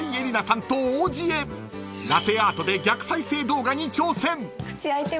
［ラテアートで逆再生動画に挑戦］